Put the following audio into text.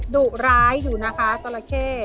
ดุร้ายอยู่นะคะจราเข้